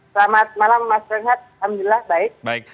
selamat malam mas renhat alhamdulillah baik